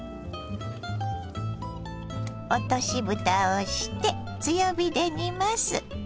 落としぶたをして強火で煮ます。